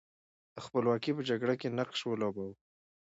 د خپلواکۍ په جګړه کې نقش ولوباوه.